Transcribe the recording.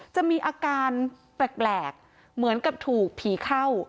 จะมีอาการแปลกเหมือนกับถูกผีเข้า